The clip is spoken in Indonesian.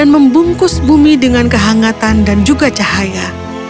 membungkus bumi dengan kehangatan dan juga cahaya